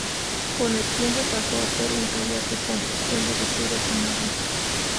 Con el tiempo pasó a ser un taller de confección de vestidos de novias.